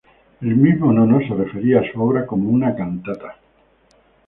El mismo Nono se refería a su obra como una "cantata".